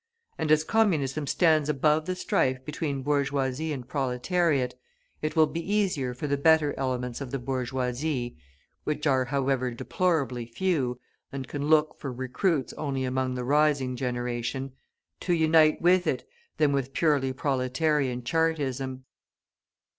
And as Communism stands above the strife between bourgeoisie and proletariat, it will be easier for the better elements of the bourgeoisie (which are, however, deplorably few, and can look for recruits only among the rising generation) to unite with it than with purely proletarian Chartism.